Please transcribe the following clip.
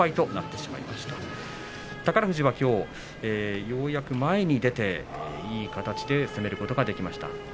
宝富士はきょう、ようやく前に出ていい形で攻めることができました。